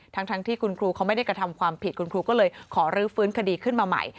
ทั้งที่คุณครูเขาไม่ได้กระทำความผิดคุณครูก็เลยขอรื้อฟื้นคดีขึ้นมาใหม่